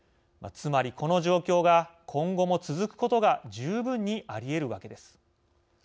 つまり、この状況が今後も続くことが十分にありえるわけです。